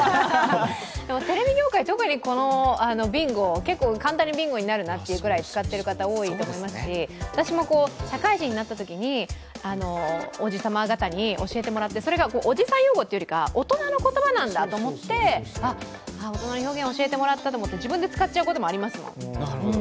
テレビ業界、特にこのビンゴ結構簡単にビンゴになるなって思いますし私も社会人になったときにおじさま方に教えてもらって、おじさん用語というよりは、大人の言葉なんだと思ってあっ、こんな表現教えてもらったって自分で使っちゃうことありますもん。